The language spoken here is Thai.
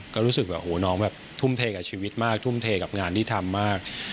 ก็รู้สึกแบบโหน้องแบบทุ่มเทกับชีวิตมากทุ่มเทกับงานที่ทำมาก